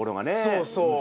そうそう。